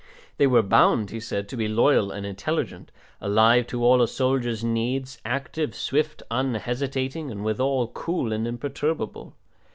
They were bound, he said, to be loyal and intelligent, alive to all a soldier's needs, active, swift, unhesitating, and withal cool and imperturbable.